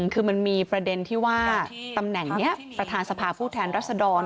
คือมันมีประเด็นที่ว่าตำแหน่งนี้ประธานสภาผู้แทนรัศดร